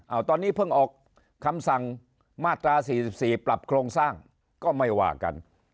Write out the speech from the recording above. เอาตอนนี้เพิ่งออกคำสั่งมาตรา๔๔ปรับโครงสร้างก็ไม่ว่ากัน